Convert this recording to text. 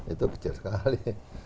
itu kecil sekali